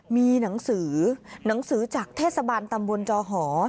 มีหนังสือหนังสือจากเทศบาลตำบลจอหอ